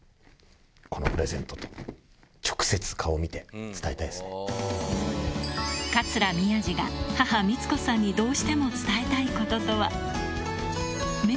このプレゼントと、桂宮治が母、光子さんにどうしても伝えたいこととは。